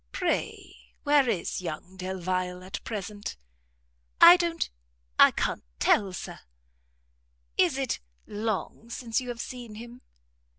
Pray where is young Delvile at present?" "I don't I can't tell, Sir." "Is it long since you have seen him?"